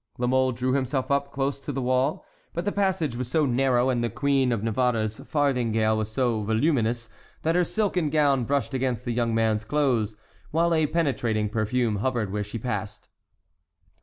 La Mole drew himself up close to the wall. But the passage was so narrow and the Queen of Navarre's farthingale was so voluminous that her silken gown brushed against the young man's clothes, while a penetrating perfume hovered where she passed.